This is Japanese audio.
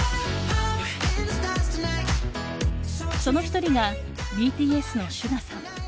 その１人がＢＴＳのＳＵＧＡさん。